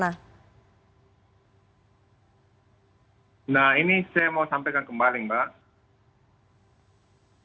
nah ini saya mau sampaikan kembali mbak